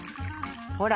ほら。